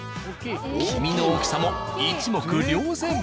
黄身の大きさも一目瞭然。